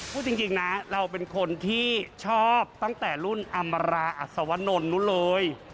พูดจริงนะเราเป็นคนที่ชอบตั้งแต่รุ่นอำราอัศวนลนู้นเลย